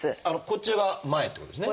こっちが前ってことですね。